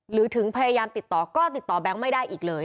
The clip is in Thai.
ถึงพยายามติดต่อก็ติดต่อแบงค์ไม่ได้อีกเลย